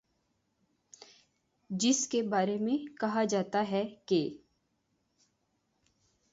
جس کے بارے میں کہا جاتا ہے کہ